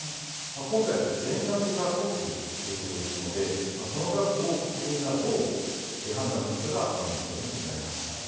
今回、全額が国費ということですので、その額を国民がどう判断するかがポイントになります。